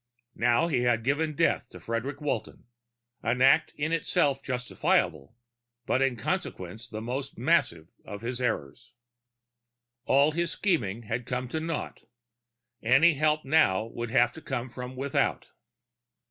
Now, he had given death to Frederic Walton, an act in itself justifiable, but in consequence the most massive of his errors. All his scheming had come to naught. Any help now would have to come from without.